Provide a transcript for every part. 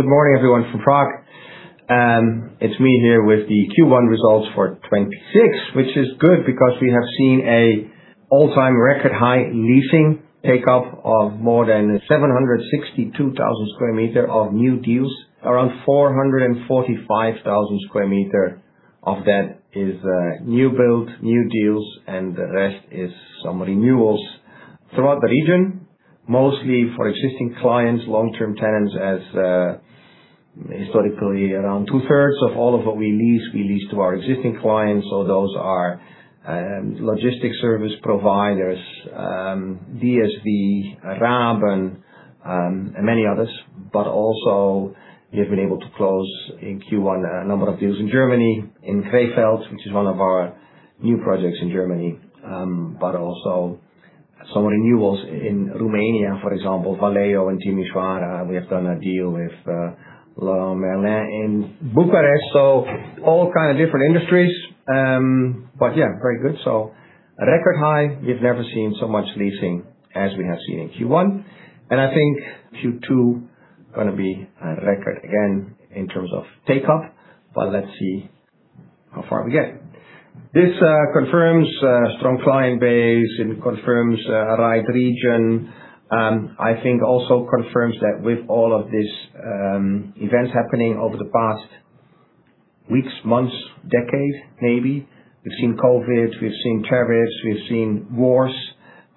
Good morning everyone from Prague. It's me here with the Q1 results for 2026, which is good because we have seen a all-time record high leasing take up of more than 762,000 sq m of new deals. Around 445,000 sq m of that is new build, new deals, and the rest is some renewals throughout the region, mostly for existing clients, long-term tenants as historically, around two-thirds of all of what we lease, we lease to our existing clients. Those are logistics service providers, DSV, Raben, and many others. Also we have been able to close in Q1 a number of deals in Germany, in Krefeld, which is one of our new projects in Germany, but also some renewals in Romania, for example, Valeo and Timișoara. We have done a deal with Leroy Merlin in Bucharest. All kind of different industries. Yeah, very good. A record high. We've never seen so much leasing as we have seen in Q1. I think Q2 is going to be a record again in terms of take up. Let's see how far we get. This confirms strong client base and confirms right region. I think also confirms that with all of this events happening over the past weeks, months, decade, maybe. We've seen COVID, we've seen terrorist, we've seen wars.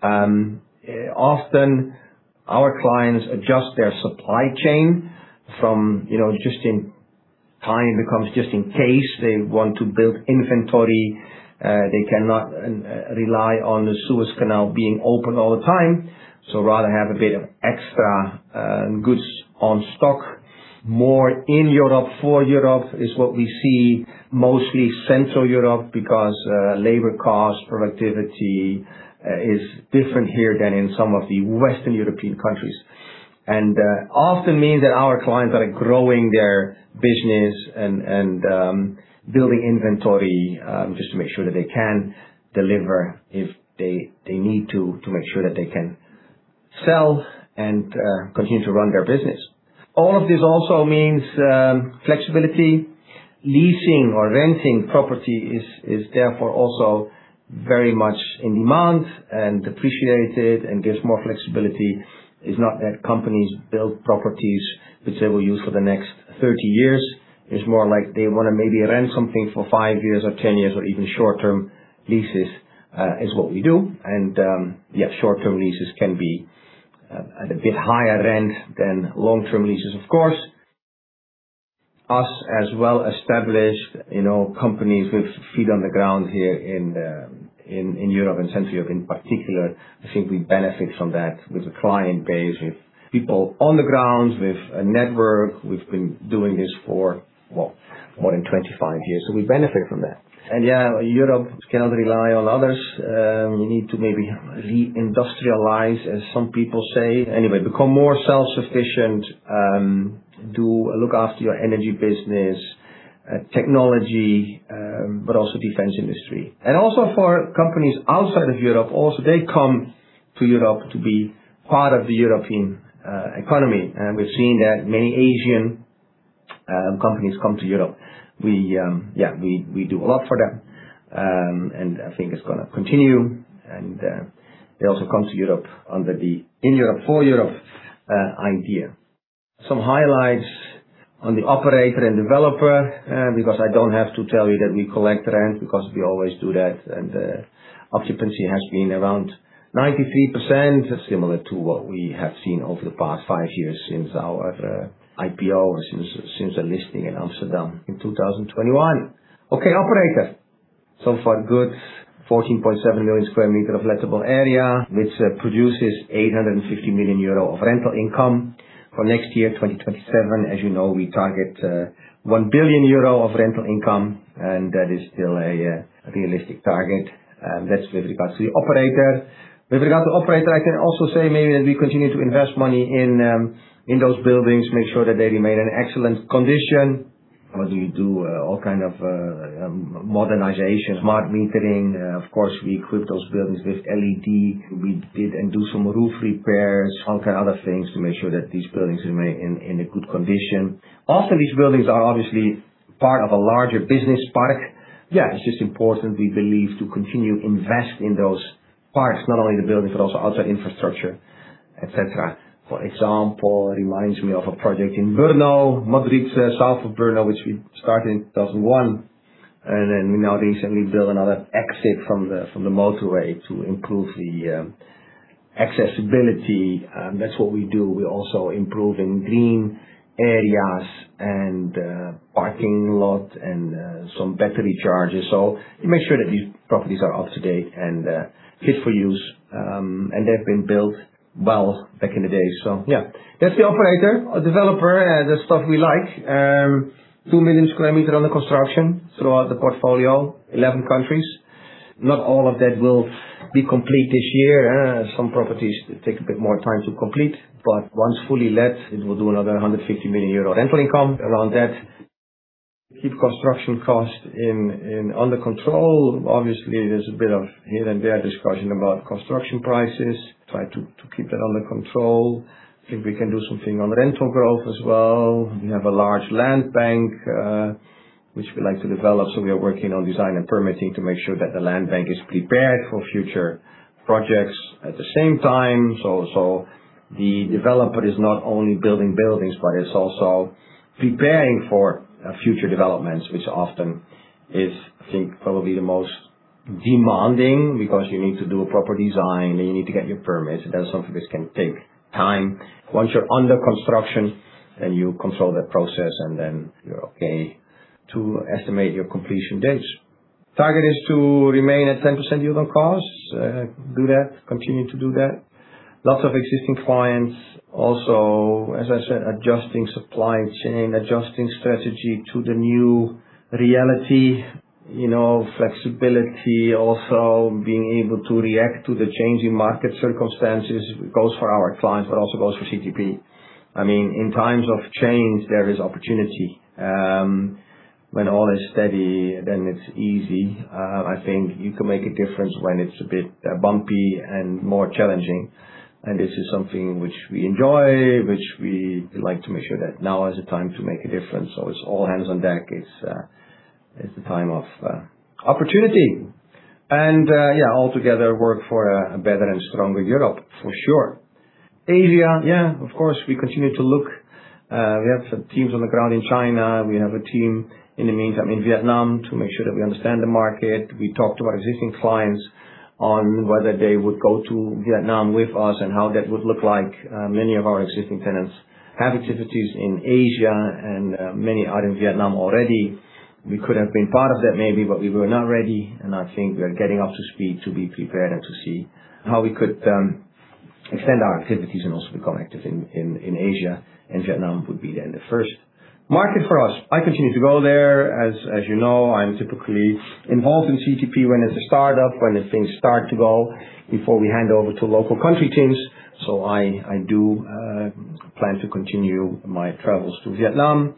Often our clients adjust their supply chain from, you know, just in time becomes just in case they want to build inventory. They cannot rely on the Suez Canal being open all the time, rather have a bit of extra goods on stock. In Europe, for Europe is what we see, mostly Central Europe because labor cost, productivity is different here than in some of the Western European countries. Often means that our clients are growing their business and building inventory just to make sure that they can deliver if they need to make sure that they can sell and continue to run their business. All of this also means flexibility. Leasing or renting property is therefore also very much in demand and appreciated and gives more flexibility. It's not that companies build properties which they will use for the next 30 years. It's more like they want to maybe rent something for five years or 10 years or even short-term leases is what we do. Short-term leases can be at a bit higher rent than long-term leases of course. Us as well established, you know, companies with feet on the ground here in Europe and Central Europe in particular, I think we benefit from that with a client base, with people on the ground, with a network. We've been doing this for more than 25 years, we benefit from that. Europe cannot rely on others. You need to maybe re-industrialize, as some people say. Become more self-sufficient, look after your energy business, technology, but also defense industry. Also for companies outside of Europe, also they come to Europe to be part of the European economy. We've seen that many Asian companies come to Europe. We do a lot for them. I think it's gonna continue. They also come to Europe under the In Europe, for Europe idea. Some highlights on the operator and developer, because I don't have to tell you that we collect rent because we always do that and occupancy has been around 93%, similar to what we have seen over the past five years since our IPO or since the listing in Amsterdam in 2021. Okay, operator. Far good. 14.7 million sq m of lettable area, which produces 850 million euro of rental income. For next year, 2027, as you know, we target 1 billion euro of rental income and that is still a realistic target. That's with regards to the operator. With regard to operator, I can also say maybe that we continue to invest money in those buildings, make sure that they remain in excellent condition. Whether you do all kind of modernizations, smart metering, of course we equip those buildings with LED. We did and do some roof repairs, all kind of other things to make sure that these buildings remain in a good condition. Often these buildings are obviously part of a larger business park. Yeah, it's just important we believe to continue invest in those parks, not only the buildings but also outside infrastructure, et cetera. For example, it reminds me of a project in Brno, Modřice, south of Brno, which we started in 2001. Nowadays then we build another exit from the motorway to improve the accessibility. That's what we do. We're also improving green areas and parking lot and some battery chargers. We make sure that these properties are up to date and fit for use. They've been built well back in the day. Yeah, that's the operator. A developer, the stuff we like. 2 million sq m under construction throughout the portfolio, 11 countries. Not all of that will be complete this year. Some properties take a bit more time to complete, but once fully let, it will do another 150 million euros rental income around that. Keep construction costs in under control. Obviously, there's a bit of here and there discussion about construction prices. Try to keep that under control. If we can do something on rental growth as well. We have a large land bank, which we like to develop, so we are working on design and permitting to make sure that the land bank is prepared for future projects. At the same time, the developer is not only building buildings, but it's also preparing for future developments, which often is, I think, probably the most demanding because you need to do a proper design, then you need to get your permits. That's something which can take time. Once you're under construction, then you control that process and then you're okay to estimate your completion dates. Target is to remain at 10% yield on costs. Do that, continue to do that. Lots of existing clients. Also, as I said, adjusting supply chain, adjusting strategy to the new reality. You know, flexibility, also being able to react to the changing market circumstances. It goes for our clients, also goes for CTP. I mean, in times of change, there is opportunity. When all is steady, it's easy. I think you can make a difference when it's a bit bumpy and more challenging. This is something which we enjoy, which we like to make sure that now is the time to make a difference. It's all hands on deck. It's, it's the time of opportunity. Yeah, all together work for a better and stronger Europe, for sure. Asia, yeah, of course, we continue to look. We have some teams on the ground in China. We have a team in the meantime in Vietnam to make sure that we understand the market. We talk to our existing clients on whether they would go to Vietnam with us and how that would look like. Many of our existing tenants have activities in Asia and many are in Vietnam already. We could have been part of that maybe, but we were not ready, and I think we are getting up to speed to be prepared and to see how we could extend our activities and also become active in Asia, and Vietnam would be then the first market for us. I continue to go there. As you know, I'm typically involved in CTP when it's a startup, when the things start to go, before we hand over to local country teams. I do plan to continue my travels to Vietnam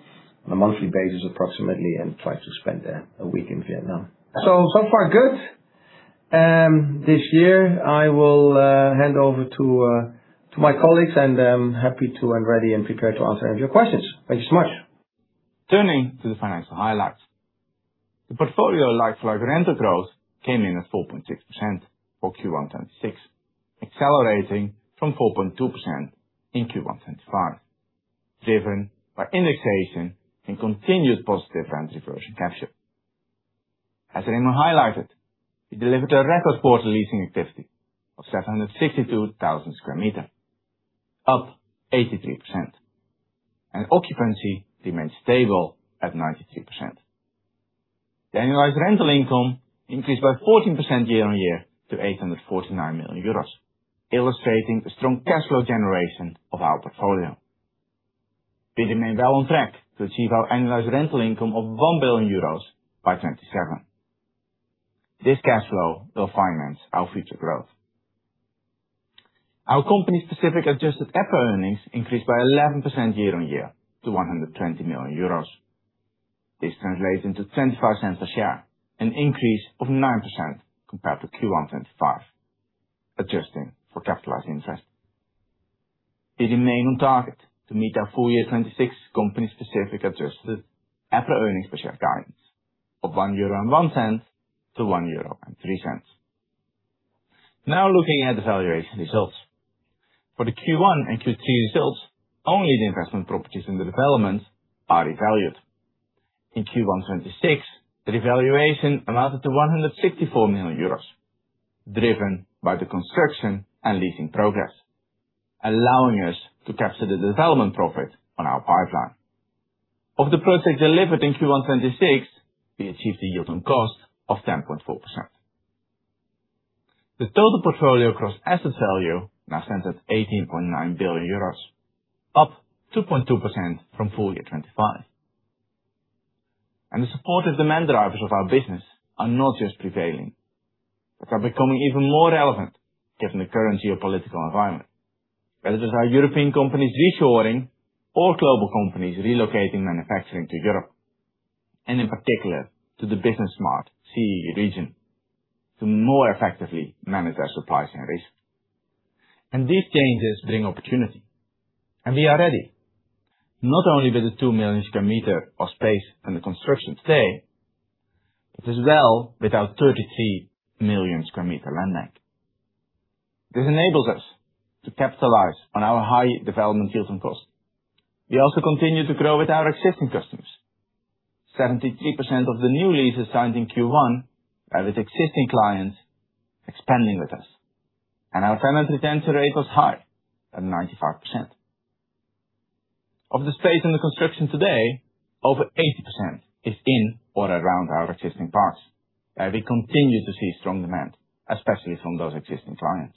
on a monthly basis, approximately, and try to spend a week in Vietnam. So far good. This year, I will hand over to my colleagues and I'm happy to and ready and prepared to answer any of your questions. Thank you so much. Turning to the financial highlights. The portfolio like-for-like rental growth came in at 4.6% for Q1 2026, accelerating from 4.2% in Q1 2025, driven by indexation and continued positive rent reversion capture. As Remon highlighted, we delivered a record quarterly leasing activity of 762,000 sq m, up 83%, and occupancy remained stable at 93%. The annualized rental income increased by 14% year-on-year to 849 million euros, illustrating a strong cash flow generation of our portfolio. We remain well on track to achieve our annualized rental income of 1 billion euros by 2027. This cash flow will finance our future growth. Our company's specific adjusted EPRA earnings increased by 11% year-on-year to 120 million euros. This translates into 0.25 a share, an increase of 9% compared to Q1 2025, adjusting for capitalized interest. We remain on target to meet our full year 2026 company specific adjusted EPRA earnings per share guidance of 1.01-1.03 euro. Looking at the valuation results. For the Q1 and Q2 results, only the investment properties in the development are revalued. In Q1 2026, the revaluation amounted to 164 million euros, driven by the construction and leasing progress, allowing us to capture the development profit on our pipeline. Of the projects delivered in Q1 2026, we achieved a yield on cost of 10.4%. The total portfolio across asset value now stands at 18.9 billion euros, up 2.2% from full year 2025. The supportive demand drivers of our business are not just prevailing, but are becoming even more relevant given the current geopolitical environment. Whether it is our European companies reshoring or global companies relocating manufacturing to Europe, and in particular to the business-smart CE region, to more effectively manage their supplies and risk. These changes bring opportunity, and we are ready, not only with the 2 million sq m of space and the construction today, but as well with our 33 million sq m land bank. This enables us to capitalize on our high development yield on cost. We also continue to grow with our existing customers. 73% of the new leases signed in Q1 are with existing clients expanding with us, and our tenant retention rate was high at 95%. Of the space in the construction today, over 80% is in or around our existing parks, where we continue to see strong demand, especially from those existing clients.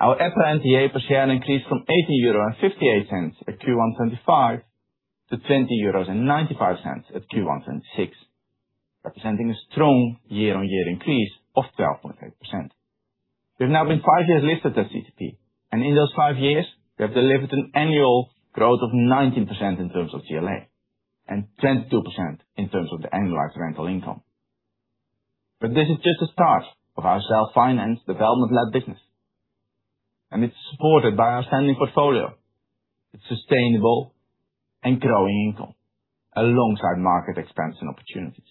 Our EPRA NTA per share increased from 80.58 euro at Q1 2025 to 20.95 euros at Q1 2026. Representing a strong year-on-year increase of 12.3%. We've now been five years listed at CTP, and in those five years, we have delivered an annual growth of 19% in terms of GLA and 22% in terms of the annualized rental income. This is just the start of our self-financed, development-led business, and it's supported by our standing portfolio, its sustainable and growing income, alongside market expansion opportunities.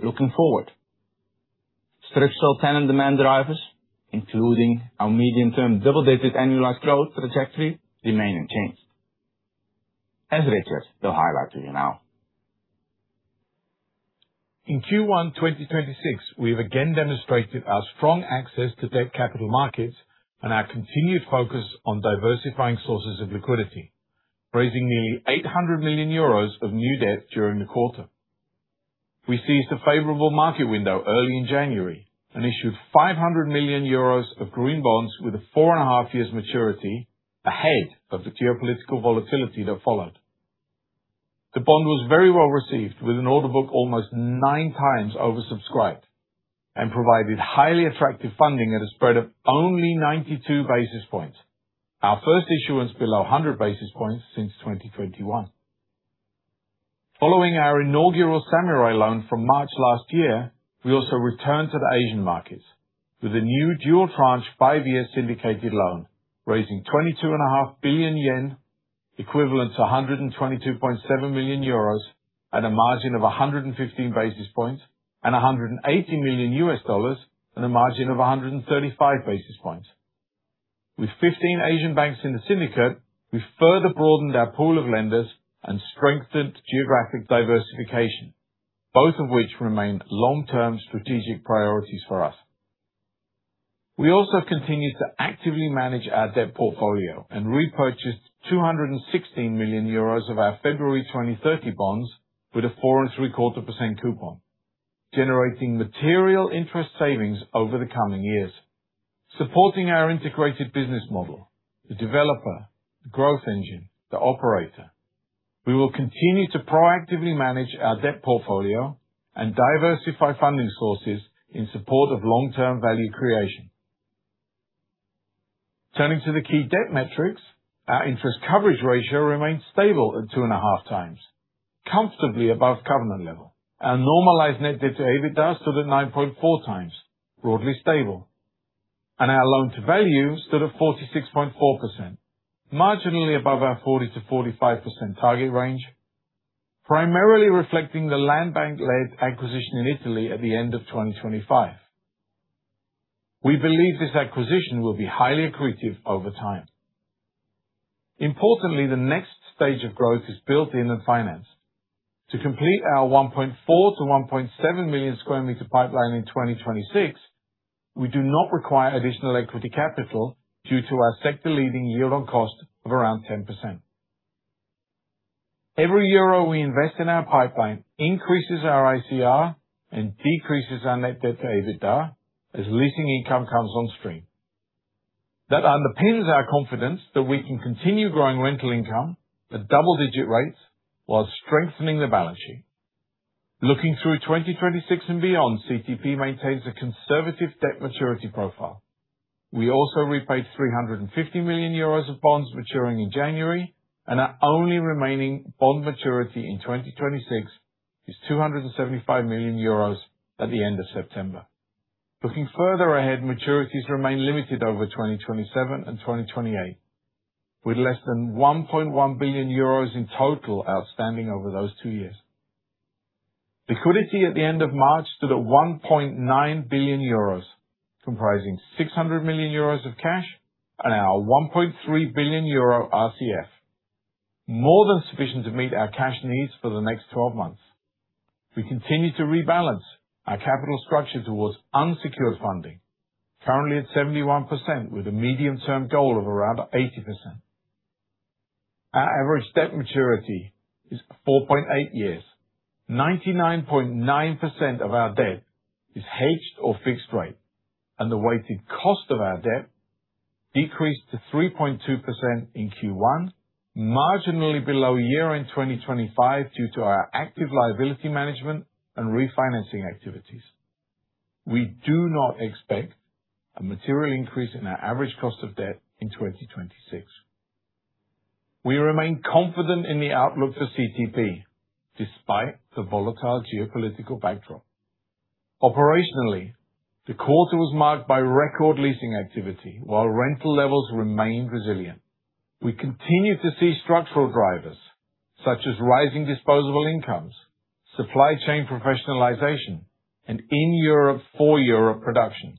Looking forward, structural tenant demand drivers, including our medium-term double-digit annualized growth trajectory, remain unchanged. As Richard will highlight to you now. In Q1 2026, we have again demonstrated our strong access to debt capital markets and our continued focus on diversifying sources of liquidity, raising nearly 800 million euros of new debt during the quarter. We seized a favorable market window early in January and issued 500 million euros of green bonds with a 4.5 years maturity ahead of the geopolitical volatility that followed. The bond was very well-received, with an order book almost nine times oversubscribed, and provided highly attractive funding at a spread of only 92 basis points, our first issuance below 100 basis points since 2021. Following our inaugural samurai loan from March last year, we also returned to the Asian markets with a new dual tranche five-year syndicated loan, raising 22.5 Billion yen, equivalent to 122.7 million euros at a margin of 115 basis points, and $180 million at a margin of 135 basis points. With 15 Asian banks in the syndicate, we further broadened our pool of lenders and strengthened geographic diversification, both of which remained long-term strategic priorities for us. We also have continued to actively manage our debt portfolio and repurchased 216 million euros of our February 2030 bonds with a 4.75% coupon, generating material interest savings over the coming years. Supporting our integrated business model, the developer, the growth engine, the operator, we will continue to proactively manage our debt portfolio and diversify funding sources in support of long-term value creation. Turning to the key debt metrics, our interest coverage ratio remains stable at 2.5x, comfortably above covenant level. Our normalized net debt to EBITDA stood at 9.4x, broadly stable. Our loan to value stood at 46.4%, marginally above our 40%-45% target range, primarily reflecting the land bank-led acquisition in Italy at the end of 2025. We believe this acquisition will be highly accretive over time. Importantly, the next stage of growth is built in and financed. To complete our 1.4 million-1.7 million sq m pipeline in 2026, we do not require additional equity capital due to our sector-leading yield on cost of around 10%. Every euro we invest in our pipeline increases our ICR and decreases our net debt to EBITDA as leasing income comes on stream. That underpins our confidence that we can continue growing rental income at double-digit rates while strengthening the balance sheet. Looking through 2026 and beyond, CTP maintains a conservative debt maturity profile. We also repaid 350 million euros of bonds maturing in January, and our only remaining bond maturity in 2026 is 275 million euros at the end of September. Looking further ahead, maturities remain limited over 2027 and 2028, with less than 1.1 billion euros in total outstanding over those two years. Liquidity at the end of March stood at 1.9 billion euros, comprising 600 million euros of cash and our 1.3 billion euro RCF, more than sufficient to meet our cash needs for the next 12 months. We continue to rebalance our capital structure towards unsecured funding, currently at 71%, with a medium-term goal of around 80%. Our average debt maturity is 4.8 years. 99.9% of our debt is hedged or fixed rate, and the weighted cost of our debt decreased to 3.2% in Q1, marginally below year-end 2025 due to our active liability management and refinancing activities. We do not expect a material increase in our average cost of debt in 2026. We remain confident in the outlook for CTP despite the volatile geopolitical backdrop. Operationally, the quarter was marked by record leasing activity while rental levels remained resilient. We continue to see structural drivers, such as rising disposable incomes, supply chain professionalization, and In Europe, for Europe production,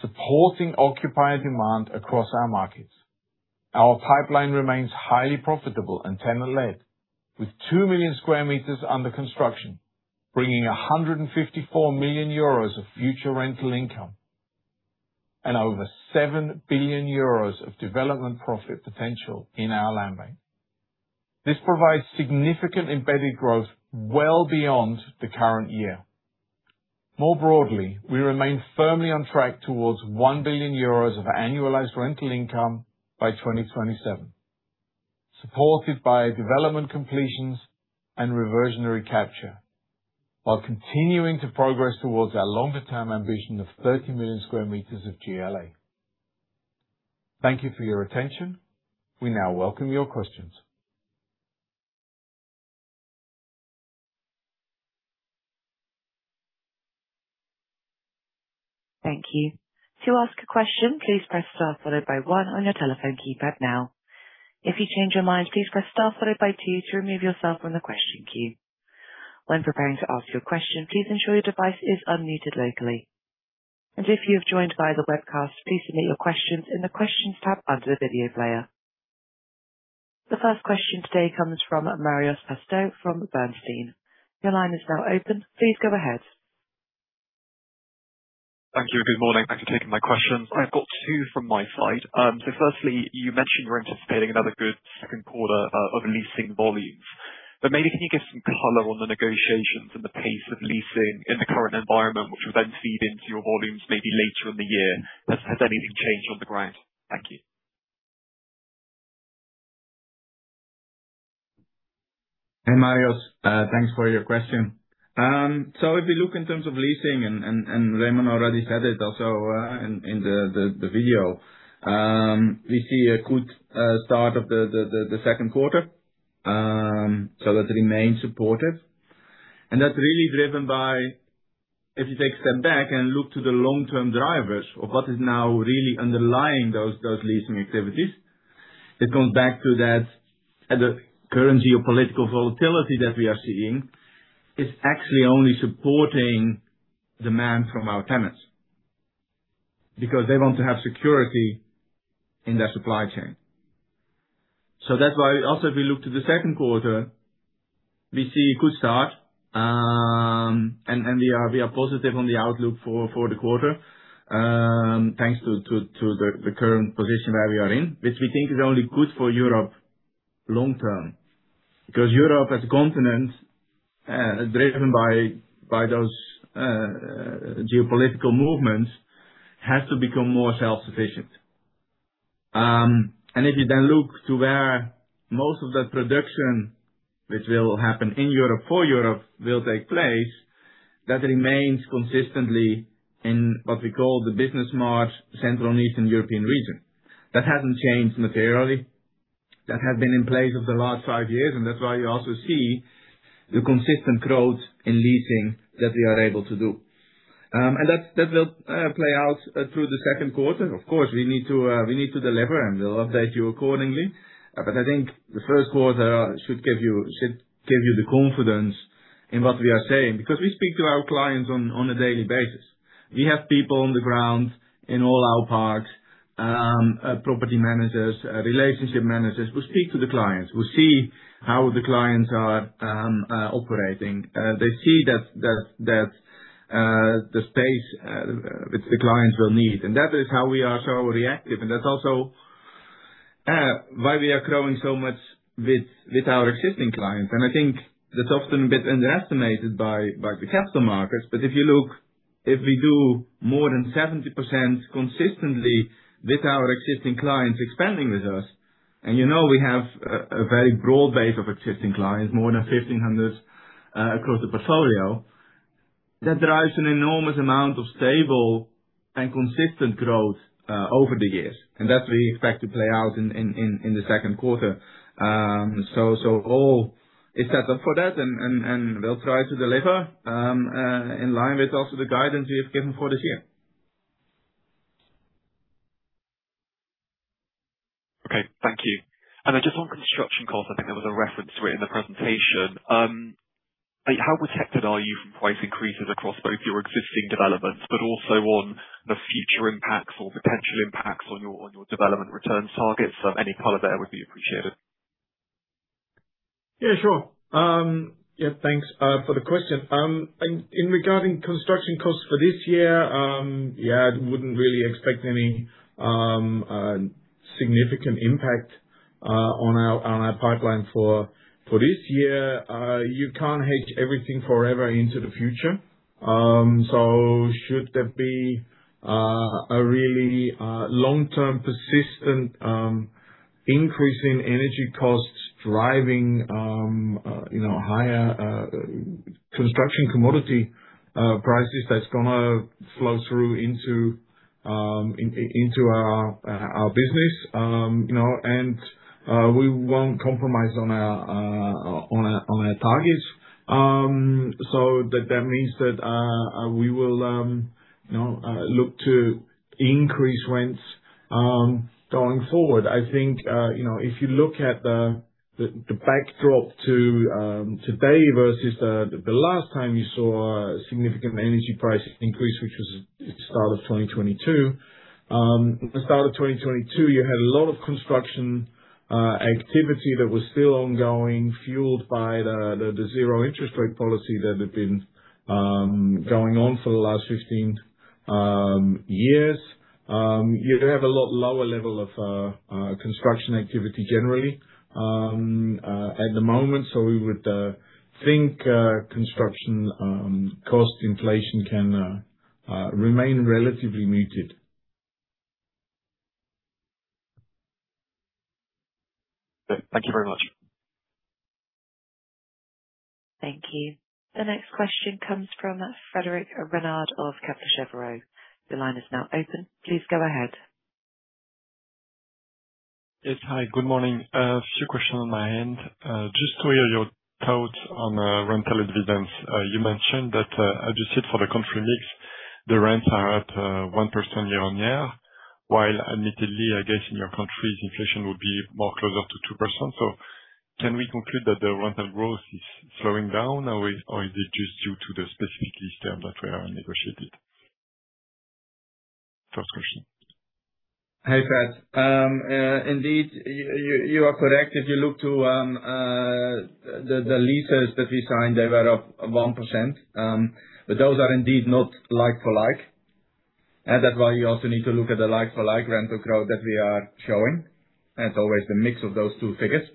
supporting occupier demand across our markets. Our pipeline remains highly profitable and tenant-led, with 2 million sq m under construction, bringing 154 million euros of future rental income and over 7 billion euros of development profit potential in our land bank. This provides significant embedded growth well beyond the current year. More broadly, we remain firmly on track towards 1 billion euros of annualized rental income by 2027. Supported by development completions and reversionary capture, while continuing to progress towards our longer-term ambition of 30 million sq m of GLA. Thank you for your attention. We now welcome your questions. Thank you. To ask a question please press star followed by one on your telephone keypad now. If you change your mind please press star followed by two to remove yourself from the question queue. When preparing to ask your question please ensure that your device is unmuted rightly. And if you're joined by webcast please submit your question on the questions tab on the video player. The first question today comes from Marios Pastou from Bernstein. Your line is now open. Please go ahead. Thank you. Good morning. Thanks for taking my question. I've got two from my side. Firstly, you mentioned you're anticipating another good second quarter of leasing volumes. Maybe can you give some color on the negotiations and the pace of leasing in the current environment, which will then feed into your volumes maybe later in the year. Has anything changed on the ground? Thank you. Hey, Marios. Thanks for your question. If you look in terms of leasing and Remon already said it also in the video, we see a good start of the second quarter. That remains supportive. That's really driven by, if you take a step back and look to the long-term drivers of what is now really underlying those leasing activities, it comes back to that the current geopolitical volatility that we are seeing is actually only supporting demand from our tenants because they want to have security in their supply chain. That's why also if you look to the second quarter, we see a good start. We are positive on the outlook for the quarter, thanks to the current position where we are in, which we think is only good for Europe long term. Because Europe as a continent, driven by those geopolitical movements, has to become more self-sufficient. If you then look to where most of that production, which will happen In Europe for Europe, will take place, that remains consistently in what we call the business-smart Central and Eastern European region. That hasn't changed materially. That has been in place over the last five years, and that's why you also see the consistent growth in leasing that we are able to do. That will play out through the second quarter. Of course, we need to, we need to deliver, and we'll update you accordingly. I think the first quarter should give you the confidence in what we are saying. We speak to our clients on a daily basis. We have people on the ground in all our parks, property managers, relationship managers who speak to the clients, who see how the clients are operating. They see that the space which the clients will need. That is how we are so reactive. That's also why we are growing so much with our existing clients. I think that's often a bit underestimated by the capital markets. If you look, if we do more than 70% consistently with our existing clients expanding with us, and you know we have a very broad base of existing clients, more than 1,500 across the portfolio, that drives an enormous amount of stable and consistent growth over the years. That we expect to play out in the second quarter. All is set up for that and we'll try to deliver in line with also the guidance we have given for this year. Okay. Thank you. Just on construction costs, I think there was a reference to it in the presentation. Like how protected are you from price increases across both your existing developments, but also on the future impacts or potential impacts on your, on your development return targets? Any color there would be appreciated. Yeah, sure. Thanks for the question. Regarding construction costs for this year, wouldn't really expect any significant impact on our pipeline for this year. You can't hedge everything forever into the future. Should there be a really long-term persistent increase in energy costs driving, you know, higher construction commodity prices that's gonna flow through into our business. You know, we won't compromise on our targets. That means that we will, you know, look to increase rents going forward. I think, you know, if you look at the, the backdrop to today versus the last time you saw a significant energy price increase, which was start of 2022. The start of 2022, you had a lot of construction activity that was still ongoing, fueled by the, the zero interest rate policy that had been going on for the last 15. years, you have a lot lower level of construction activity generally at the moment. We would think construction cost inflation can remain relatively muted. Okay. Thank you very much. Thank you. The next question comes from Frédéric Renard of Kepler Cheuvreux. Your line is now open. Please go ahead. Yes. Hi, good morning. Few questions on my end. Just to hear your thoughts on rental evidence. You mentioned that, adjusted for the country mix, the rents are at 1% year-over-year, while admittedly, I guess, in your countries, inflation will be more closer to 2%. Can we conclude that the rental growth is slowing down or is it just due to the specific lease terms that were negotiated? First question. Hey, Fred. Indeed, you are correct. If you look to the leases that we signed, they were up 1%. Those are indeed not like for like. That's why you also need to look at the like for like rental growth that we are showing. That's always the mix of those two figures.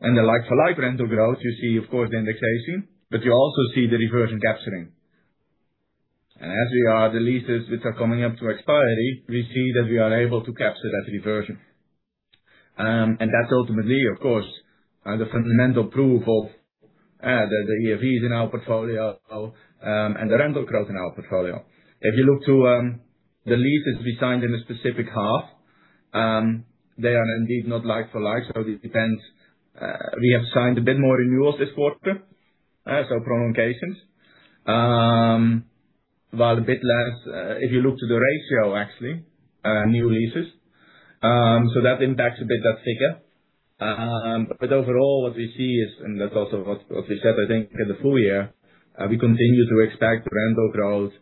In the like for like rental growth, you see of course the indexation, but you also see the reversion capturing. As we are the leases which are coming up to expiry, we see that we are able to capture that reversion. That's ultimately, of course, the fundamental proof of the ERV in our portfolio and the rental growth in our portfolio. If you look to the leases we signed in a specific half, they are indeed not like for like. This depends. We have signed a bit more renewals this quarter, so prolongations, while a bit less, if you look to the ratio actually, new leases. That impacts a bit that figure. Overall what we see is, and that's also what we said, I think in the full year, we continue to expect rental growth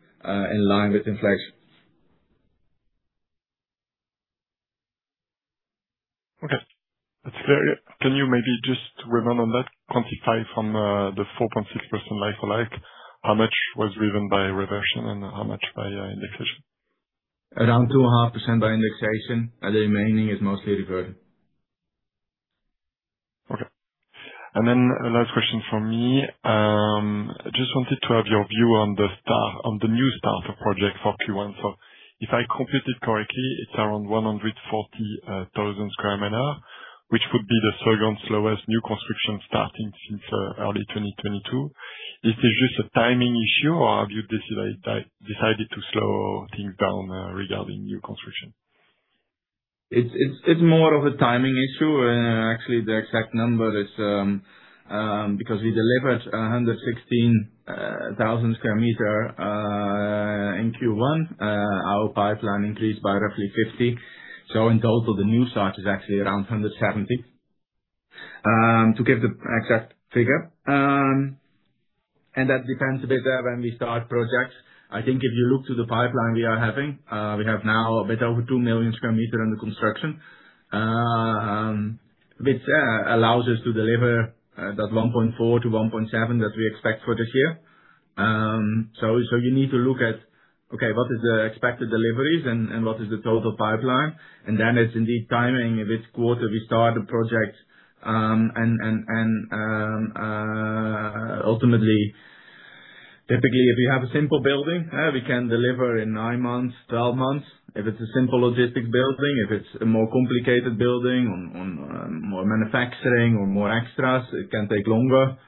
in line with inflation. Okay. That's clear. Can you maybe just remind on that, quantify from the 4.6% like for like, how much was driven by reversion and how much by indexation? Around 2.5% by indexation, and the remaining is mostly reversion. Okay. Last question from me. I just wanted to have your view on the new start of project for Q1. If I computed correctly, it's around 140,000 sq m, which would be the second slowest new construction starting since early 2022. Is this just a timing issue or have you decided to slow things down regarding new construction? It's more of a timing issue. Actually, the exact number is because we delivered 116,000 sq m in Q1. Our pipeline increased by roughly 50. In total, the new start is actually around 170 to give the exact figure. That depends a bit when we start projects. I think if you look to the pipeline we are having, we have now a bit over 2 million sq m under construction, which allows us to deliver that 1.4-1.7 that we expect for this year. You need to look at, okay, what is the expected deliveries and what is the total pipeline? Then it's indeed timing of which quarter we start the project. Ultimately, typically, if you have a simple building, we can deliver in nine months, 12 months, if it's a simple logistics building. If it's a more complicated building, more manufacturing or more extras, it can take longer.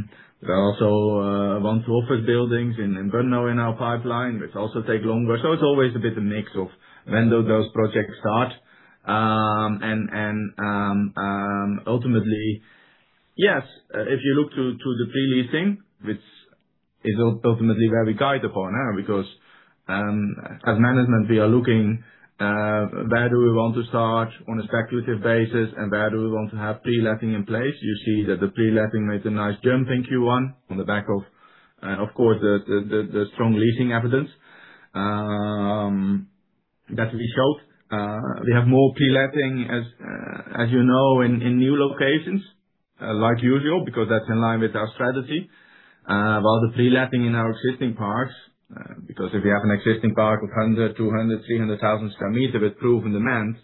There are also in Brno in our pipeline, which also take longer. It's always a bit of a mix of when do those projects start. Ultimately, yes, if you look to the pre-leasing, which is ultimately where we guide upon, because as management, we are looking where do we want to start on a speculative basis and where do we want to have pre-letting in place. You see that the pre-letting made a nice jump in Q1 on the back of course, the strong leasing evidence that we showed. We have more pre-letting, as you know, in new locations, like usual, because that's in line with our strategy. While the pre-letting in our existing parks, because if you have an existing park of 100, 200, 300,000 sq m with proven demand,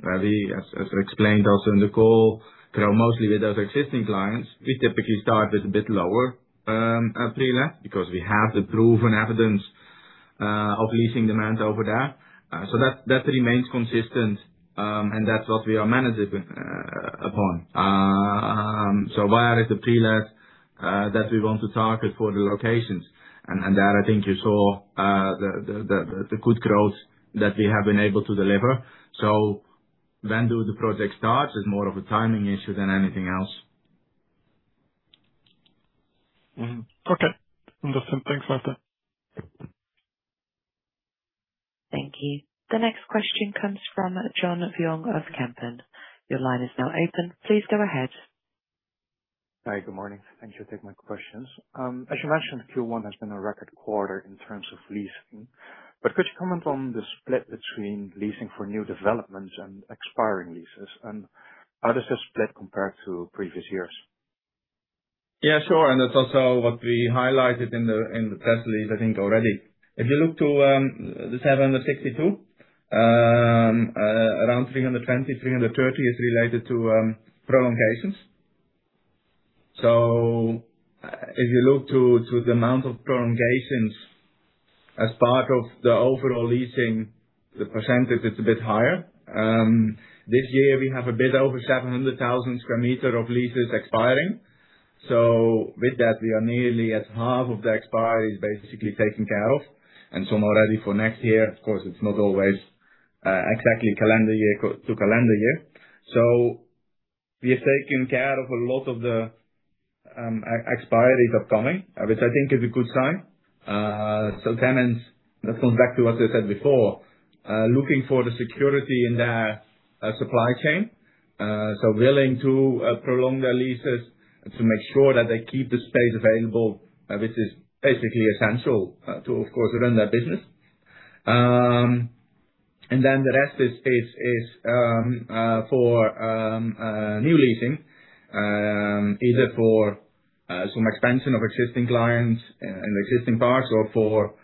where we, as we explained also in the call, grow mostly with those existing clients. We typically start with a bit lower pre-let because we have the proven evidence of leasing demand over there. So that remains consistent, and that's what we are managing upon. So where is the pre-let that we want to target for the locations? That I think you saw, the good growth that we have been able to deliver. When do the project start is more of a timing issue than anything else. Okay. Understand. Thanks, Maarten. Thank you. The next question comes from Joost van Vion of Kempen. Your line is now open. Please go ahead. Hi, good morning. Thank you for taking my questions. As you mentioned, Q1 has been a record quarter in terms of leasing. Could you comment on the split between leasing for new developments and expiring leases? How does this split compare to previous years? Yeah, sure. That's also what we highlighted in the press release, I think already. If you look to the 762, around 320, 330 is related to prolongations. If you look to the amount of prolongations as part of the overall leasing, the percentage is a bit higher. This year we have a bit over 700,000 sq m of leases expiring. With that, we are nearly at half of the expiry is basically taken care of and some already for next year. Of course, it's not always exactly calendar year to calendar year. We are taking care of a lot of the expiry upcoming, which I think is a good sign. Tenants, that comes back to what I said before, looking for the security in their supply chain, willing to prolong their leases to make sure that they keep the space available, which is basically essential to, of course, run their business. The rest is for new leasing, either for some expansion of existing clients in the existing parks or for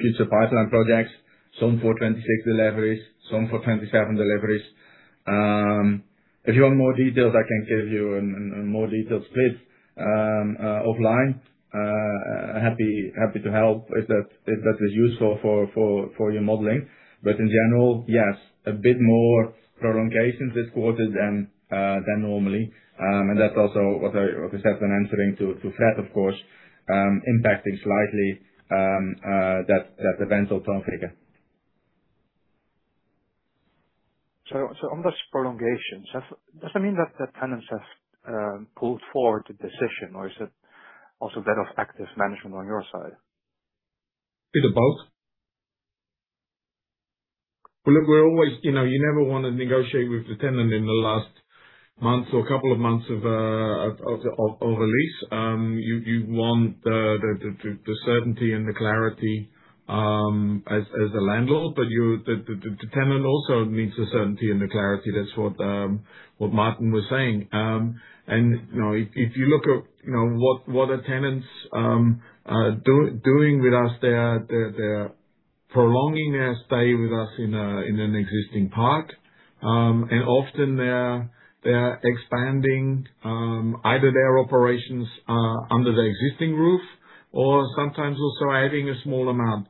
future pipeline projects, some for 2026 deliveries, some for 2027 deliveries. If you want more details, I can give you more details, please, offline. Happy to help if that is useful for your modeling. In general, yes, a bit more prolongations this quarter than normally. That's also what I, what I said when answering to Fred, of course, impacting slightly, that event of South Africa. On those prolongations, does that mean that the tenants have pulled forward the decision or is it also a bit of active management on your side? Bit of both. Well, look, we're always. You know, you never wanna negotiate with the tenant in the last month or couple of months of a lease. You want the certainty and the clarity as a landlord, but the tenant also needs the certainty and the clarity. That's what Maarten was saying. And, you know, if you look at, you know, what the tenants are doing with us, they are prolonging their stay with us in an existing park. And often they're expanding either their operations under the existing roof or sometimes also adding a small amount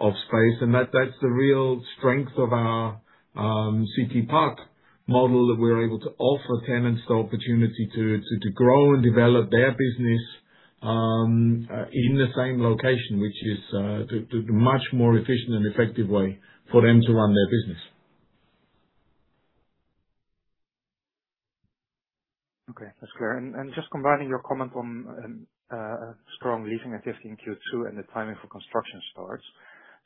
of space. That's the real strength of our CTPark model that we're able to offer tenants the opportunity to grow and develop their business in the same location, which is the much more efficient and effective way for them to run their business. Okay, that's clear. Just combining your comment on, strong leasing activity in Q2 and the timing for construction starts.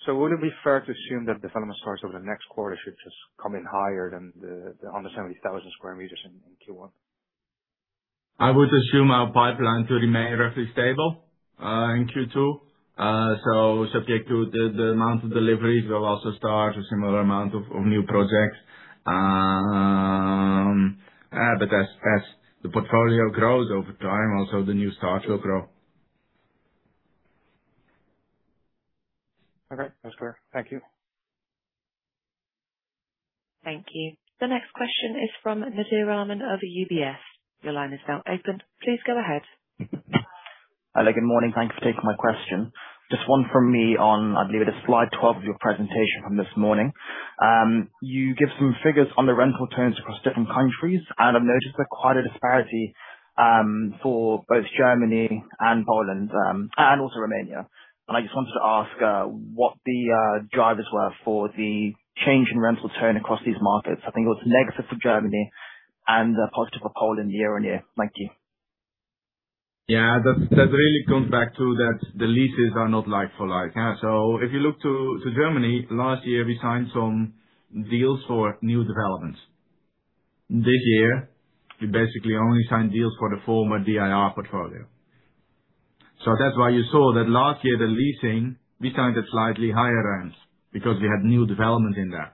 Would it be fair to assume that development starts over the next quarter should just come in higher than the under 70,000 sq m in Q1? I would assume our pipeline to remain roughly stable in Q2. Subject to the amount of deliveries, we'll also start a similar amount of new projects. As the portfolio grows over time, also the new starts will grow. Okay, that's clear. Thank you. Thank you. The next question is from [Nidale Awass] of UBS. Your line is now open. Please go ahead. Hello, good morning. Thanks for taking my question. Just one from me on, I believe it is slide 12 of your presentation from this morning. You give some figures on the rental terms across different countries, and I've noticed there's quite a disparity for both Germany and Poland, and also Romania. I just wanted to ask what the drivers were for the change in rent reversion across these markets. I think it was negative for Germany and positive for Poland year-on-year. Thank you. Yeah. That really comes back to that the leases are not like for like. If you look to Germany, last year, we signed some deals for new developments. This year, we basically only signed deals for the former DIR portfolio. That's why you saw that last year, the leasing, we signed at slightly higher rents because we had new development in that.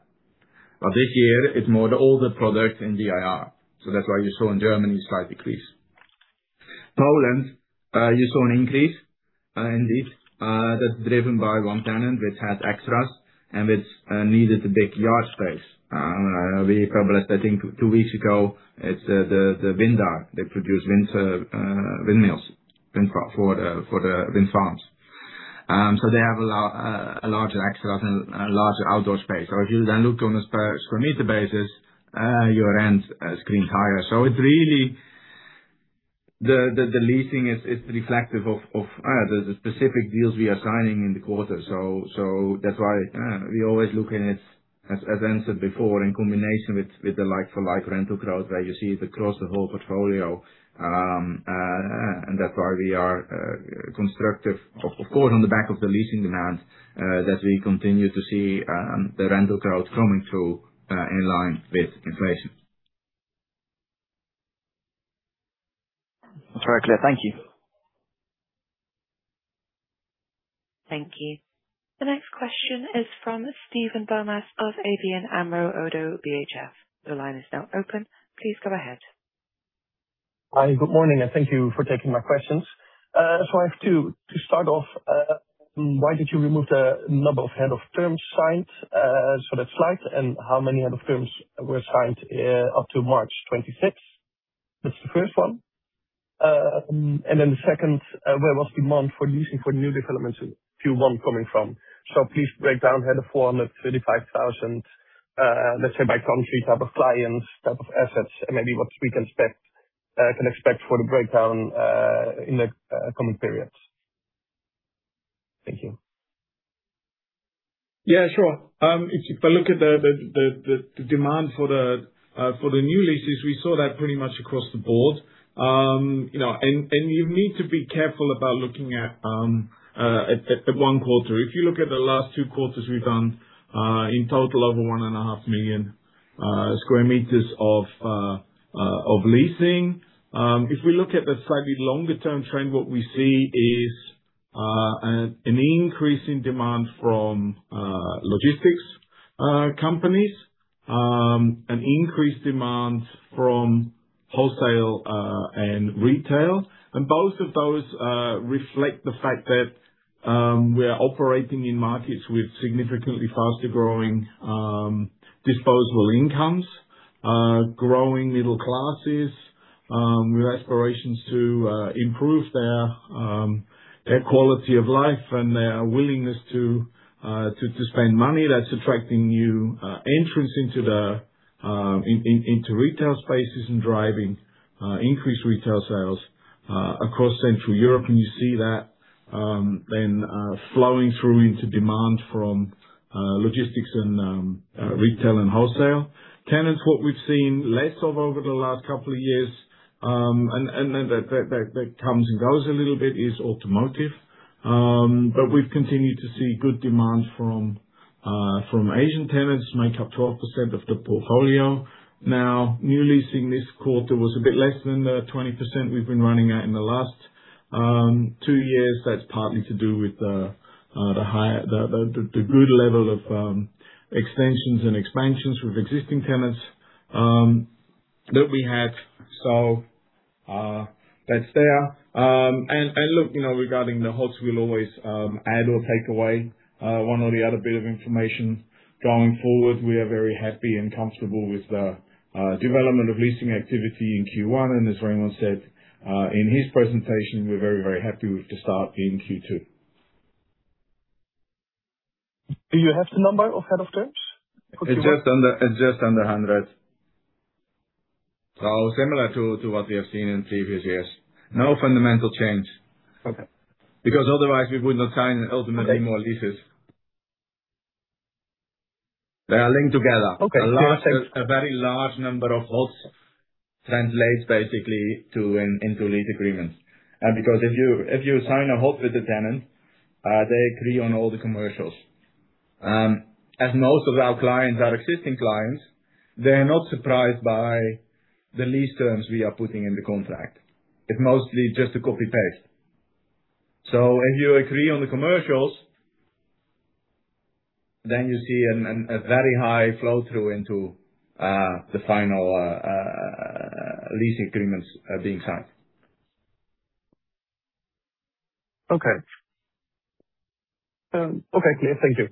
This year it's more the older product in DIR. That's why you saw in Germany slight decrease. Poland, you saw an increase, indeed, that's driven by one tenant which had extras and which needed a big yard space. We published, I think, two weeks ago, it's the Vinda. They produce wind, windmills, wind for the wind farms. They have a larger extras and a larger outdoor space. If you then looked on a per square meter basis, your rent screens higher. The leasing is reflective of the specific deals we are signing in the quarter. That's why we always look in it, as answered before, in combination with the like for like rental growth, where you see it across the whole portfolio. That's why we are constructive, of course, on the back of the leasing demand that we continue to see the rental growth coming through in line with inflation. That's very clear. Thank you. Thank you. The next question is from Steven Boumans of ABN AMRO ODDO BHF. Your line is now open. Please go ahead. Hi, good morning, and thank you for taking my questions. I have two. To start off, why did you remove the number of Heads of Terms signed, and how many Heads of Terms were signed up to March 2026? That's the first one. The second, where was demand for leasing for new developments Q1 coming from? Please break down the 435,000, let's say by country type of clients, type of assets, and maybe what we can expect for the breakdown in the coming periods. Thank you. Yeah, sure. If you look at the demand for the new leases, we saw that pretty much across the board. You know, and you need to be careful about looking at the one quarter. If you look at the last two quarters, we've done in total over 1.5 million sq m of leasing. If we look at the slightly longer term trend, what we see is an increase in demand from logistics companies, an increased demand from wholesale and retail. Both of those reflect the fact that we are operating in markets with significantly faster growing disposable incomes, growing middle classes, with aspirations to improve their quality of life and their willingness to spend money that's attracting new entrants into retail spaces and driving increased retail sales across Central Europe. You see that then flowing through into demand from logistics and retail and wholesale. Tenants, what we've seen less of over the last couple of years, and that comes and goes a little bit, is automotive. But we've continued to see good demand from Asian tenants make up 12% of the portfolio. Now, new leasing this quarter was a bit less than the 20% we've been running at in the last two years. That's partly to do with the high, the good level of extensions and expansions with existing tenants that we had. That's there. Look, you know, regarding the HoTs, we'll always add or take away one or the other bit of information. Going forward, we are very happy and comfortable with the development of leasing activity in Q1. As Remon said, in his presentation, we're very happy with the start in Q2. Do you have the number of Heads of Terms? It's just under 100%. Similar to what we have seen in previous years. No fundamental change. Okay. Otherwise we would not sign ultimately more leases. They are linked together. Okay. A large, a very large number of HoTs translates basically into lease agreements. Because if you sign a HoT with a tenant, they agree on all the commercials. As most of our clients are existing clients, they are not surprised by the lease terms we are putting in the contract. It's mostly just a copy-paste. If you agree on the commercials, then you see a very high flow-through into the final lease agreements being signed. Okay. Okay, clear. Thank you.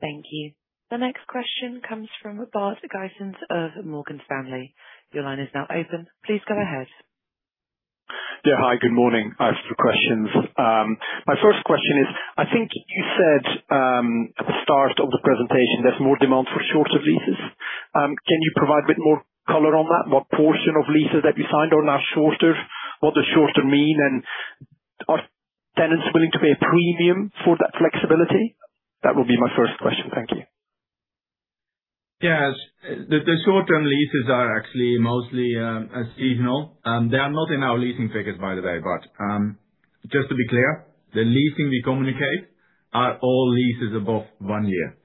Thank you. The next question comes from Bart Gysens of Morgan Stanley. Your line is now open. Please go ahead. Yeah, hi, good morning. I have two questions. My first question is, I think you said, at the start of the presentation, there's more demand for shorter leases. Can you provide a bit more color on that? What portion of leases that you signed are now shorter? What does shorter mean? And are tenants willing to pay a premium for that flexibility? That would be my first question. Thank you. Yes. The short-term leases are actually mostly seasonal. They are not in our leasing figures by the way, but just to be clear, the leasing we communicate are all leases above one year.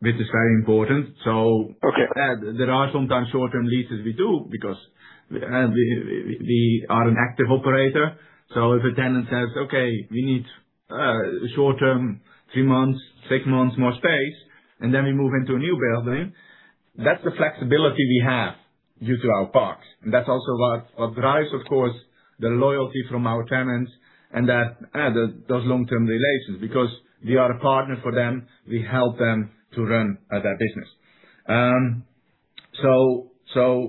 This is very important. Okay. There are sometimes short-term leases we do because, we are an active operator. If a tenant says, "Okay, we need, short-term, three months, six months more space, and then we move into a new building," that's the flexibility we have due to our parks. That's also what drives, of course, the loyalty from our tenants and those long-term relations because we are a partner for them. We help them to run, their business.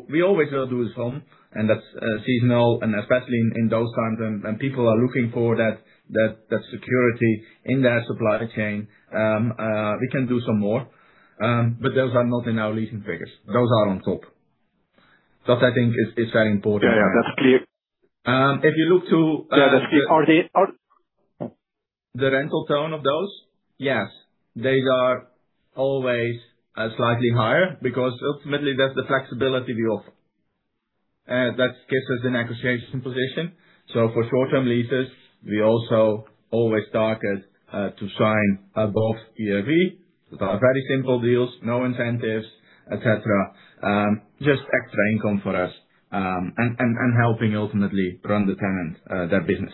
We always will do some, and that's, seasonal and especially in those times when people are looking for that security in their supply chain, we can do some more. Those are not in our leasing figures. Those are on top. That I think is very important. Yeah, yeah. That's clear. If you look to. Yeah, that's clear. Are they? The rental tone of those? Yes. They are always slightly higher because ultimately that's the flexibility we offer. That gives us a negotiation position. For short term leases, we also always target to sign above ERV. Very simple deals, no incentives, et cetera. Just extra income for us, and helping ultimately run the tenant their business.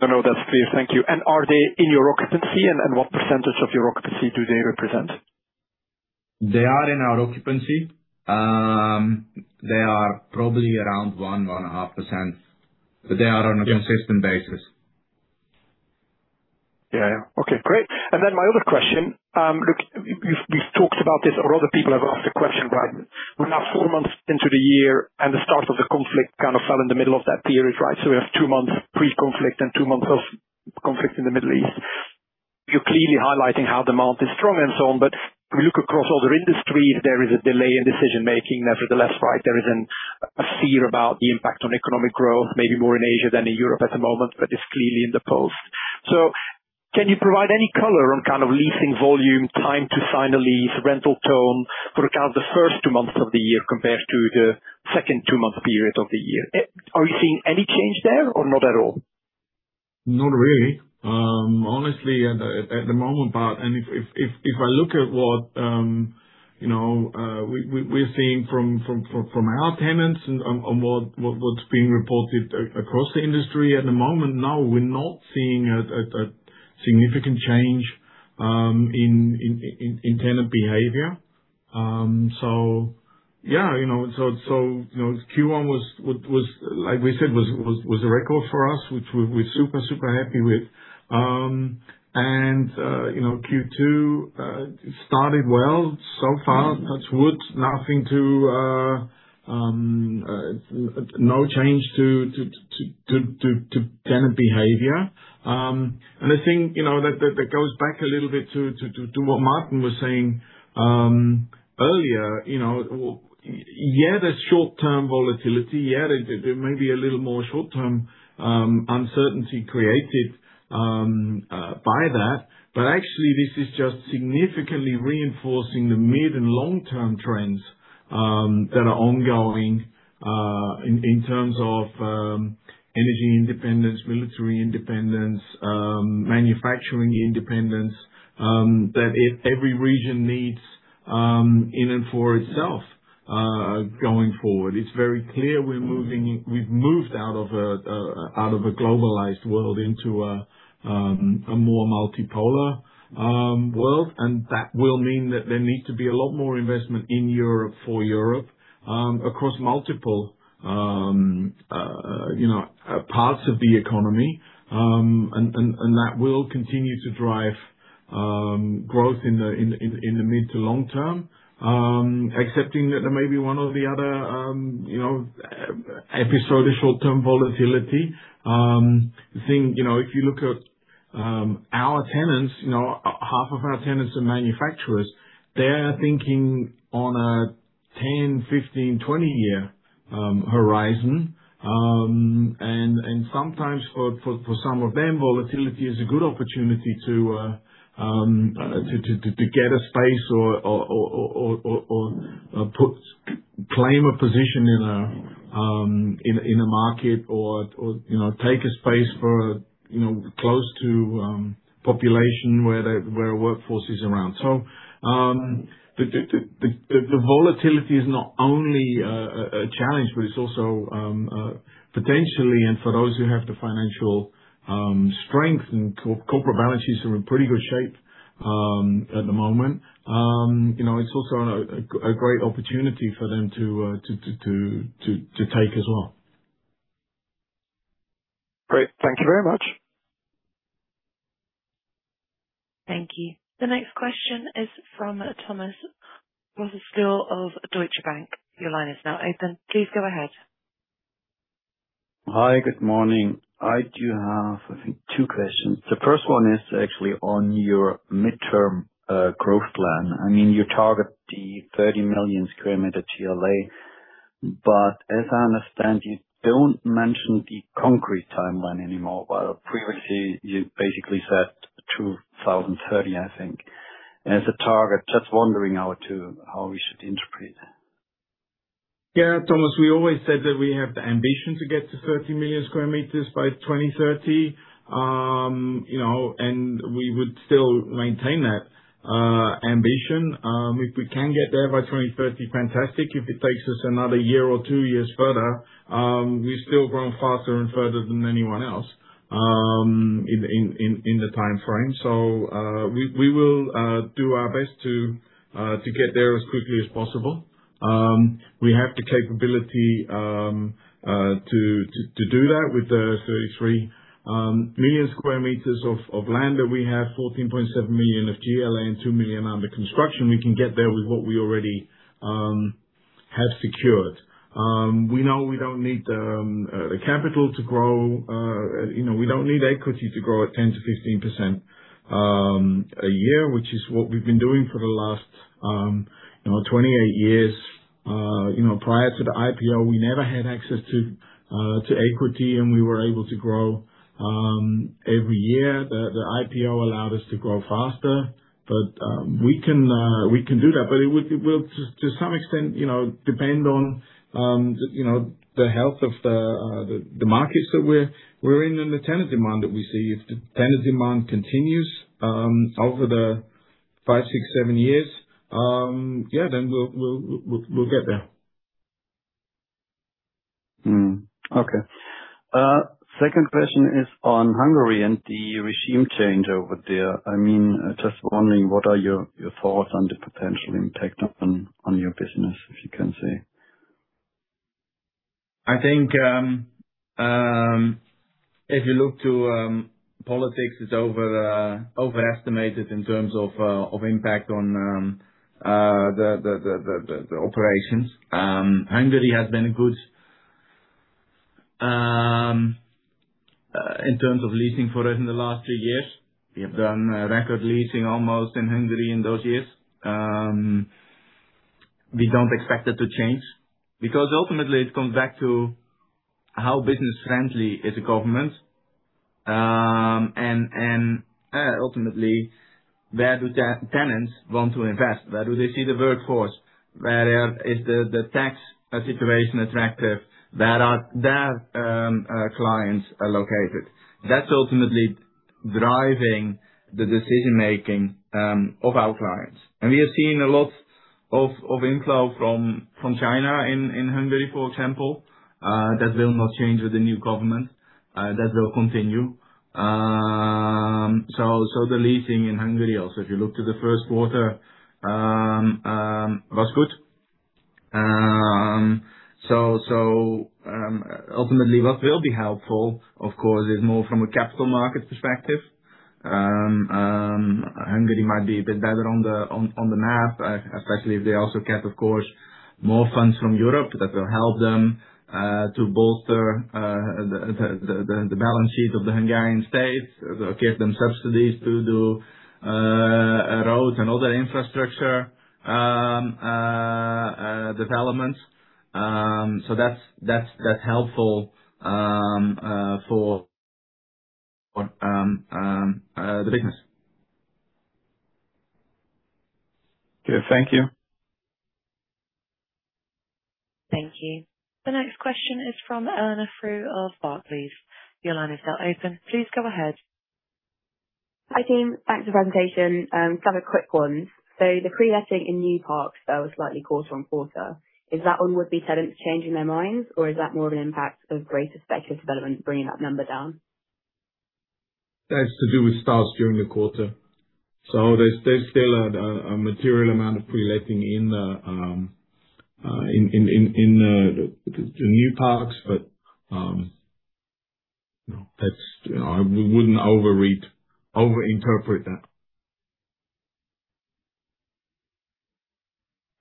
No, no, that's clear. Thank you. Are they in your occupancy? What % of your occupancy do they represent? They are in our occupancy. They are probably around 1.5%, but they are on a consistent basis. Yeah, yeah. Okay, great. My other question, look, we've talked about this or other people have asked the question, right? We're now four months into the year and the start of the conflict kind of fell in the middle of that period, right? We have two months pre-conflict and two months of conflict in the Middle East. You're clearly highlighting how demand is strong and so on. If you look across other industries, there is a delay in decision making nevertheless, right? There is a fear about the impact on economic growth, maybe more in Asia than in Europe at the moment, but it's clearly in the post. Can you provide any color on kind of leasing volume, time to sign a lease, rental tone for kind of the first two months of the year compared to the second two-month period of the year? Are you seeing any change there or not at all? Not really. Honestly at the moment. If I look at what, you know, we're seeing from our tenants and on what's being reported across the industry at the moment, no, we're not seeing a significant change in tenant behavior. Yeah, you know, so, you know, Q1 was like we said, was a record for us, which we're super happy with. You know, Q2 started well so far. Touch wood. Nothing to no change to tenant behavior. I think, you know, that goes back a little bit to what Maarten was saying earlier. You know, yeah, there's short-term volatility. Yeah, there may be a little more short-term uncertainty created by that, but actually this is just significantly reinforcing the mid and long-term trends that are ongoing in terms of energy independence, military independence, manufacturing independence that every region needs in and for itself going forward. It's very clear we've moved out of a globalized world into a more multipolar world, and that will mean that there needs to be a lot more investment In Europe, for Europe across multiple, you know, parts of the economy. That will continue to drive growth in the mid to long term. Excepting that there may be one or the other, you know, episodic short-term volatility. The thing, you know, if you look at, our tenants, you know, half of our tenants are manufacturers. They're thinking on a 10, 15, 20 year horizon. And sometimes for some of them, volatility is a good opportunity to get a space or claim a position in a market or, you know, take a space for, you know, close to population where the workforce is around. The volatility is not only a challenge, but it's also potentially, and for those who have the financial strength and corporate balances are in pretty good shape at the moment, you know, it's also a great opportunity for them to take as well. Great. Thank you very much. Thank you. The next question is from Thomas Roth, of Deutsche Bank. Hi. Good morning. I do have, I think two questions. The first one is actually on your midterm growth plan. I mean, you target the 30 million sq m GLA, but as I understand, you don't mention the concrete timeline anymore. While previously you basically said 2030, I think, as a target. Just wondering how we should interpret that. Yeah, Thomas, we always said that we have the ambition to get to 30 million sq m by 2030. You know, we would still maintain that ambition. If we can get there by 2030, fantastic. If it takes us another year or two years further, we're still growing faster and further than anyone else in the timeframe. We will do our best to get there as quickly as possible. We have the capability to do that with the 33 million sq m of land that we have, 14.7 million of GLA, 2 million under construction. We can get there with what we already have secured. We know we don't need the capital to grow. You know, we don't need equity to grow at 10%-15% a year, which is what we've been doing for the last, you know, 28 years. You know, prior to the IPO, we never had access to equity, and we were able to grow every year. The IPO allowed us to grow faster, but we can do that. It will to some extent, you know, depend on, you know, the health of the markets that we're in and the tenant demand that we see. If the tenant demand continues over the 5, 6, 7 years, then we'll get there. Okay. Second question is on Hungary and the regime change over there. I mean, just wondering what are your thoughts on the potential impact on your business, if you can say? I think, if you look to politics, it's overestimated in terms of of impact on the operations. Hungary has been good in terms of leasing for us in the last three years. We have done record leasing almost in Hungary in those years. We don't expect it to change because ultimately it comes back to how business-friendly is the government. Ultimately, where do tenants want to invest? Where do they see the workforce? Where is the tax situation attractive? Where are their clients are located? That's ultimately driving the decision-making of our clients. We have seen a lot of inflow from China in Hungary, for example, that will not change with the new government. That will continue. The leasing in Hungary also, if you look to the first quarter, was good. Ultimately, what will be helpful, of course, is more from a capital market perspective. Hungary might be a bit better on the math, especially if they also get, of course, more funds from Europe that will help them to bolster the balance sheet of the Hungarian state. It will give them subsidies to do roads and other infrastructure developments. That's helpful for the business. Okay. Thank you. Thank you. The next question is from Eleanor Frew of Barclays. Your line is now open. Please go ahead. Hi, team. Thanks for the presentation. just have a quick one. The pre-letting in new parks, was slightly quarter-on-quarter. Is that onward lease tenants changing their minds, or is that more of an impact of greater speculative development bringing that number down? That's to do with starts during the quarter. There's still a material amount of pre-letting in the new parks. No, that's. You know, I wouldn't overread, overinterpret that.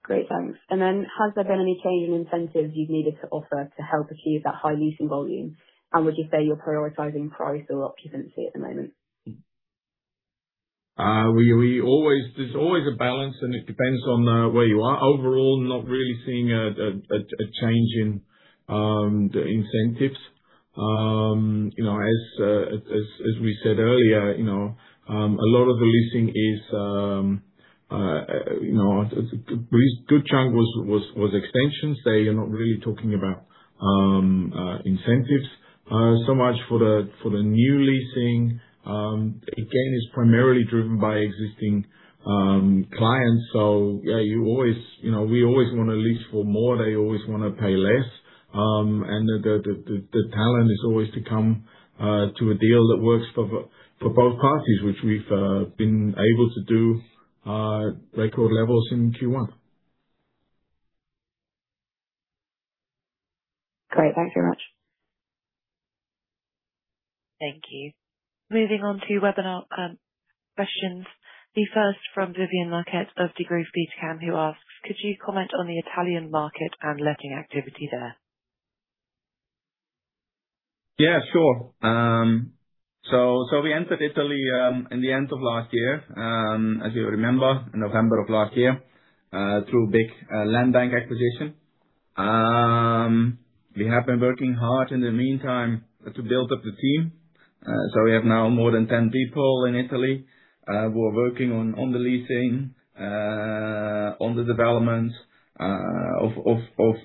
Great. Thanks. Has there been any change in incentives you've needed to offer to help achieve that high leasing volume? Would you say you're prioritizing price or occupancy at the moment? There's always a balance, and it depends on where you are. Overall, not really seeing a change in the incentives. You know, as we said earlier, you know, a lot of the leasing is, you know, a good chunk was extensions. There, you're not really talking about incentives so much for the new leasing. Again, it's primarily driven by existing clients. Yeah, you always, you know, we always wanna lease for more. They always wanna pay less. The challenge is always to come to a deal that works for both parties, which we've been able to do record levels in Q1. Great. Thanks very much. Thank you. Moving on to webinar questions. The first from Vivien Maquet of Degroof Petercam, who asks, "Could you comment on the Italian market and letting activity there? Yeah, sure. We entered Italy in the end of last year, as you remember, November of last year, through a big land bank acquisition. We have been working hard in the meantime to build up the team. We have now more than 10 people in Italy who are working on the leasing, on the development of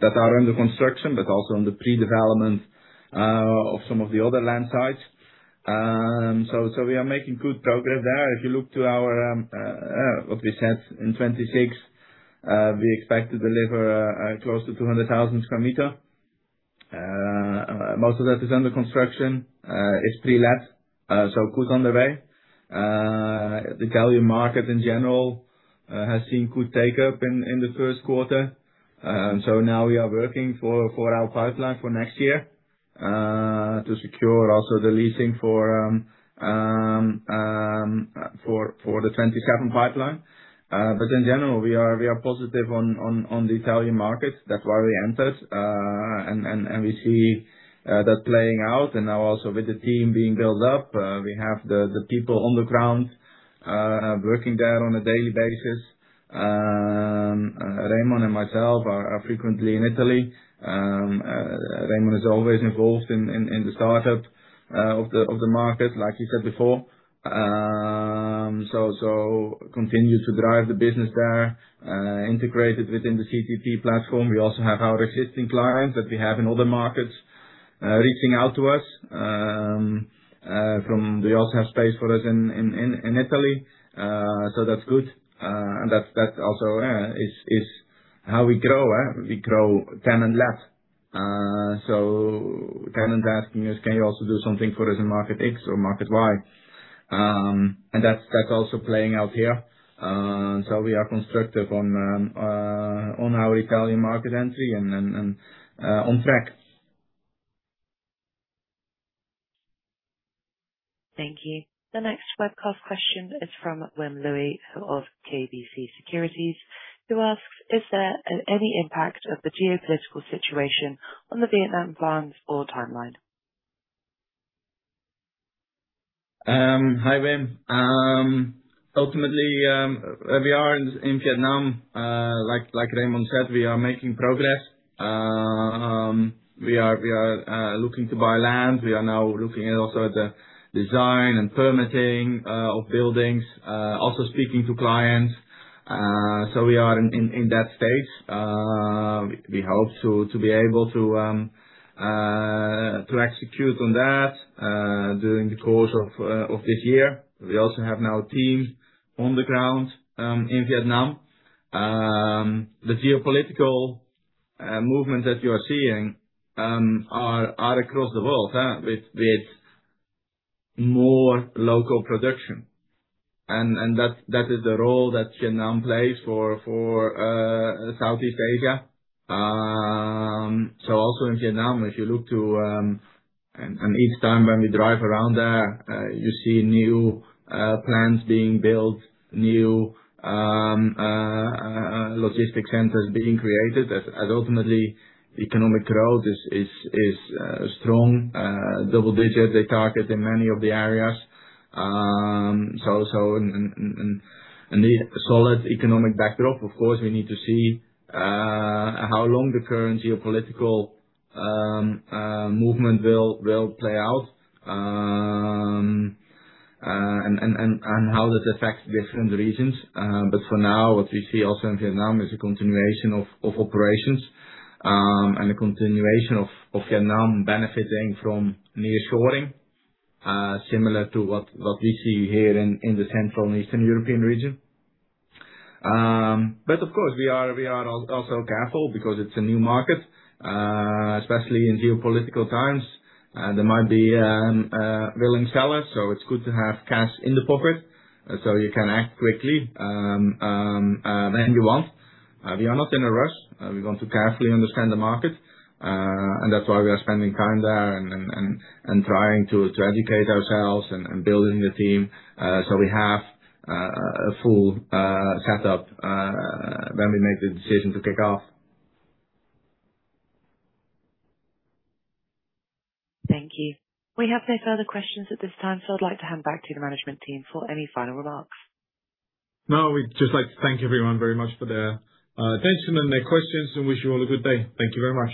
that are under construction, but also on the pre-development of some of the other land sites. We are making good progress there. If you look to our what we said, in 2026, we expect to deliver close to 200,000 sq m. Most of that is under construction. It's pre-let, good on the way. The Italian market in general has seen good take-up in the 1st quarter. Now we are working for our pipeline for next year to secure also the leasing for the 2027 pipeline. In general, we are positive on the Italian market. That's why we entered. We see that playing out. Now also with the team being built up, we have the people on the ground working there on a daily basis. Remon and myself are frequently in Italy. Remon is always involved in the startup of the market, like you said before. Continue to drive the business there, integrated within the CTP platform. We also have our existing clients that we have in other markets, reaching out to us, from they also have space for us in Italy. That's good. That also is how we grow, we grow tenant left. Tenants are asking us, "Can you also do something for us in market X or market Y?" That's also playing out here. We are constructive on our Italian market entry and on track. Thank you. The next webcast question is from Wim Lewi of KBC Securities, who asks, "Is there any impact of the geopolitical situation on the Vietnam plans or timeline? Hi, Wim. Ultimately, we are in Vietnam, like Remon said, we are making progress. We are looking to buy land. We are now looking at also the design and permitting of buildings. Also speaking to clients. We are in that phase. We hope to be able to execute on that during the course of this year. We also have now a team on the ground in Vietnam. The geopolitical movement that you are seeing are across the world with more local production. That is the role that Vietnam plays for Southeast Asia. Also in Vietnam, if you look to. Each time when we drive around there, you see new plants being built, new logistic centers being created as ultimately economic growth is strong, double-digit, they target in many of the areas. This solid economic backdrop, of course, we need to see how long the current geopolitical movement will play out. How this affects different regions. But for now, what we see also in Vietnam is a continuation of operations and a continuation of Vietnam benefiting from nearshoring, similar to what we see here in the Central and Eastern European region. But of course, we are also careful because it's a new market, especially in geopolitical times. There might be willing sellers, so it is good to have cash in the pocket, so you can act quickly when you want. We are not in a rush. We want to carefully understand the market, and that is why we are spending time there and trying to educate ourselves and building the team, so we have a full setup when we make the decision to kick off. Thank you. We have no further questions at this time. I'd like to hand back to the management team for any final remarks. No, we'd just like to thank everyone very much for their attention and their questions, and wish you all a good day. Thank you very much.